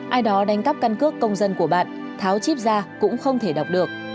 ai đó đánh cắp căn cước công dân của bạn tháo chip ra cũng không thể đọc được